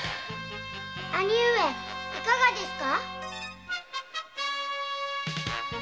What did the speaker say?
兄上いかがですか？